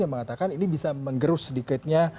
yang mengatakan ini bisa menggerus sedikitnya